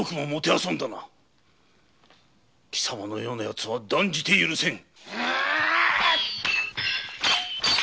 貴様のようなヤツは断じて許せん！